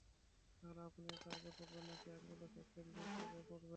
তাহলে আপনি এটা আগে পড়বেন নাকি অ্যাংলো স্যাক্সন যুগ আগে পড়বেন।